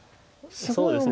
そうですね